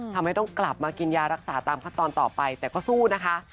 ทำให้ต้องกลับมากินยารักษาตามขั้นตอนต่อไปแต่ก็สู้นะคะ